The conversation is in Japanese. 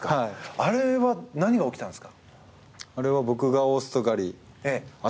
あれは何が起きたんですか？